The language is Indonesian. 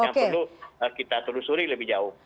yang perlu kita telusuri lebih jauh